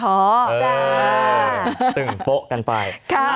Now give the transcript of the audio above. เออตึ่งโฟกันไป